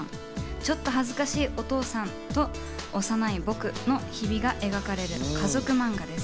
ちょっと恥ずかしいお父さんと幼い僕の日々が描かれる家族漫画です。